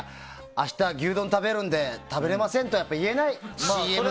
明日は牛丼食べるので食べれませんとはやっぱり言えない。